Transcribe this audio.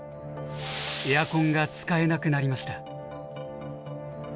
エアコンが使えなくなりました。